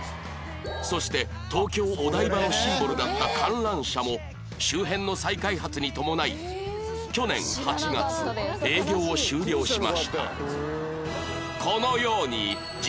そして東京お台場のシンボルだった観覧車も周辺の再開発に伴い去年８月営業を終了しました